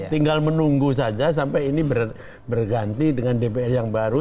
tinggal menunggu saja sampai ini berganti dengan dpr yang baru